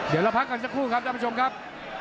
เดี๋ยวเราพักกันสักครู่ครับท่านผู้ชมครับ